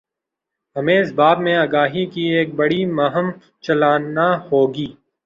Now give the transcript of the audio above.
ہمیں اس باب میں آگاہی کی ایک بڑی مہم چلانا ہو گی۔